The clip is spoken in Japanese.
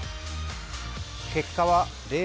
結果は０−２。